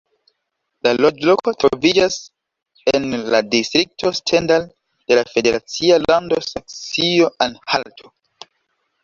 La loĝloko troviĝas en la distrikto Stendal de la federacia lando Saksio-Anhalto.